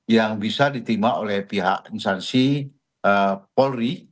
yang bisa diterima oleh pihak instansi polri